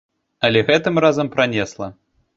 Але гэтым разам пранесла.